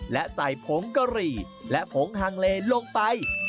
และใส่ผงกะหรี่และผงฮังเลลงไป